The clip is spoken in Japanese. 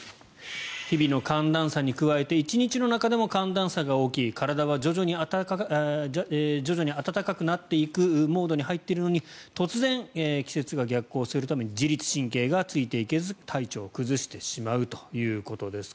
日々の寒暖差に加えて１日の中でも寒暖差が大きい体は徐々に暖かくなっていくモードに入っているのに突然、季節が逆行するために自律神経がついていけず体調を崩してしまうということです。